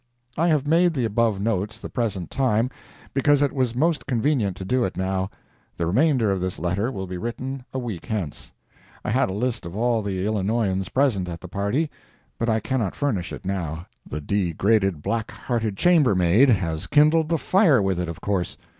I have made the above notes the present time, because it was most convenient to do it now—the remainder of this letter will be written a week hence. I had a list of all the Illinoisans present at the party, but I cannot furnish it now. The degraded, black hearted chambermaid has kindled the fire with it, of course.